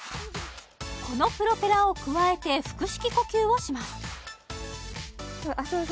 このプロペラをくわえて腹式呼吸をしますそうです